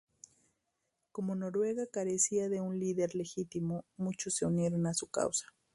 Como Noruega carecía de un líder legítimo, muchos se unieron a su causa.